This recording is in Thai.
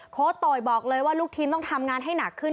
โค้ดโตยบอกเลยว่าลูกทีมต้องทำงานให้หนักขึ้น